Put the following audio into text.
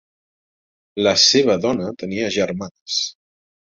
La seva dona tenia germanes.